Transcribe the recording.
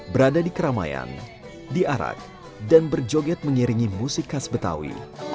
berada di keramaian diarak dan berjoget mengiringi musik khas betawi